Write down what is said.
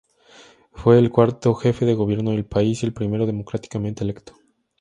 Fue el cuarto jefe de gobierno del país, y el primero democráticamente electo.